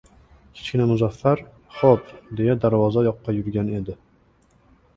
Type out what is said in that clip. Kichkina Muzaffar: «Xo‘p», deya darvoza yoqqa yurgan edi